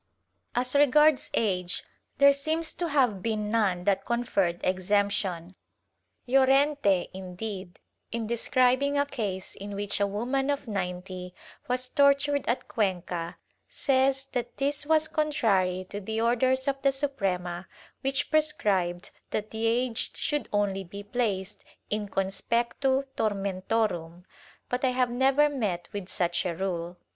As regards age, there seems to have been none that conferred exemption. Llorente, indeed, in describing a case in which a woman of ninety was tortured at Cuenca, says that this was con trary to the orders of the Suprema which prescribed that the aged should only be placed in conspectu tormentorum,* but I have never met with such a rule.